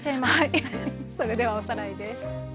それではおさらいです。